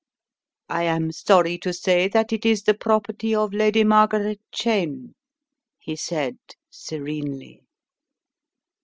"I am sorry to say that it is the property of Lady Margaret Cheyne," he said, serenely.